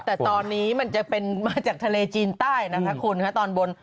แต่ตอนนี้มันจะเป็นมาจากทะเลจีนใต้นะคะคุณค่ะตอนบน